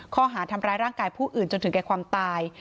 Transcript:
ข้อหาทำร้ายร่างกายผู้อื่นจนถึงแก่ความตาย